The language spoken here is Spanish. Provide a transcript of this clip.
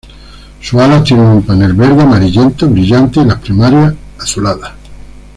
Sus alas tienen una panel verde amarillento brillante, y las primarias azuladas.